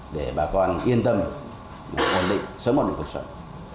để bà con yên tâm sống một cuộc sống